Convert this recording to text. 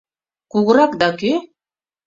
Кугуракда кӧ?